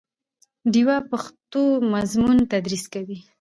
ډیوه پښتو مضمون تدریس کوي